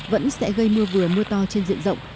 vẫn sẽ gây mưa vừa mưa to trên diện rộng